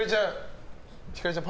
ひかりちゃん